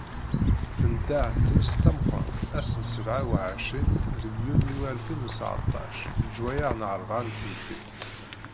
Tendeh tmes d tameqqrant ass n sebεa u εecrin deg yunyu alfin u seεṭac leǧwayah n rrebεa n tmeddit.